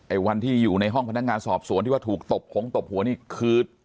วันที่อยู่ในห้องพนักงานสอบสวนที่ว่าถูกตบหงตบหัวนี่คือ